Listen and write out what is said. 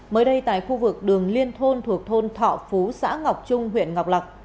mới đây tại khu vực đường liên thôn thuộc thôn thọ phú xã ngọc trung huyện ngọc lạc